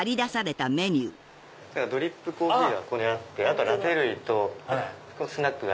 ドリップコーヒーがここにあってあとはラテ類とスナックが。